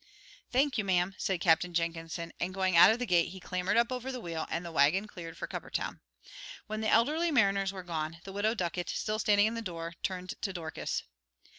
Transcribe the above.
"Thank you, ma'am," said Captain Jenkinson, and going out of the gate, he clambered up over the wheel, and the wagon cleared for Cuppertown. When the elderly mariners were gone, the Widow Ducket, still standing in the door, turned to Dorcas.